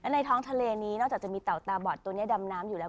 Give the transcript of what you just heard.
ในท้องทะเลนี้นอกจากจะมีเต่าตาบอดตัวนี้ดำน้ำอยู่แล้ว